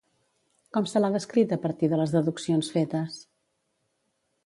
Com se l'ha descrit a partir de les deduccions fetes?